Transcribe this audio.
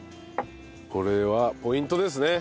これはポイントですね。